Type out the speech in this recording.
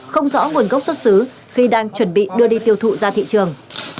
không rõ nguồn gốc xuất xứ khi đang chuẩn bị đưa đi tiêu thụ ra thị trường